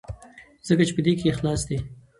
ځکه چې په دې کې اخلاص دی.